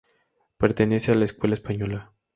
Pertenece a la escuela española.